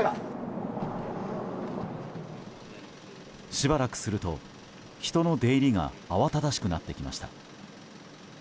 しばらくすると、人の出入りが慌ただしくなってきました。